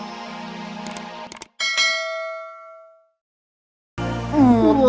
pasti kamu gak baca doa ya